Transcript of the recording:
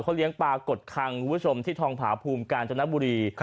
เขาเลี้ยงปลากดคังคุณผู้ชมที่ทองผาภูมิกาญจนบุรี